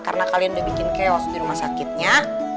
karena kalian udah bikin chaos di rumah sakitnya